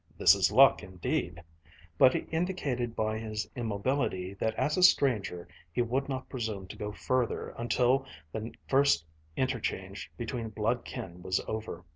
This is luck indeed!" but he indicated by his immobility that as a stranger he would not presume to go further until the first interchange between blood kin was over.